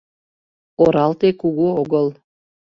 Оралте кугу огыл.